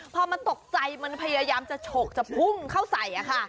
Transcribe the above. พอมันตกใจมันพยายามจะฉกจะพุ่งเข้าใส่ค่ะ